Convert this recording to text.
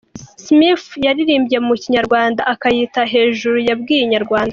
Smith yaririmbye mu kinyarwanda akayita ‘Hejuru’ yabwiye Inyarwanda.